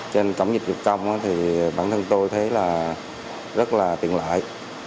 trên cổng dịch vụ công thì bản thân tôi thấy là rất là tiện lợi